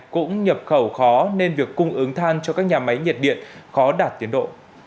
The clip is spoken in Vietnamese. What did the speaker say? cũng nhập khẩu khó nên việc cung ứng than cho các nhà máy nhiệt điện khó đạt tiến độ